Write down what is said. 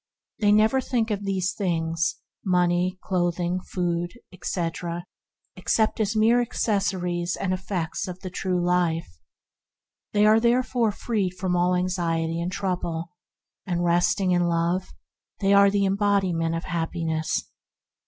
They never think of such things as money, clothing, food, and the like, except as mere accessories and effects of the true Life. They are therefore freed from all anxiety and trouble; resting in Love, they are the embodiment of happi ness.